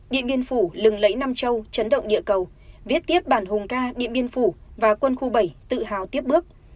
điện biên phủ lừng lẫy nam châu chấn động địa cầu viết tiếp bản hùng ca điện biên phủ và quân khu bảy tự hào tiếp bước